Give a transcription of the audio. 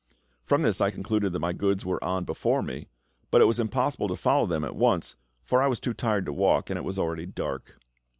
From this I concluded that my goods were on before me; but it was impossible to follow them at once, for I was too tired to walk, and it was already dark.